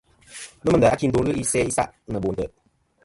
Nomɨ nda a kindo ghɨ isæ isa' nɨ bo ntè'.